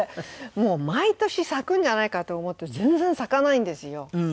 もう毎年咲くんじゃないかと思って全然咲かないんですよ。